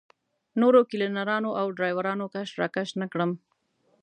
نورو کلینرانو او ډریورانو کش راکش نه کړم.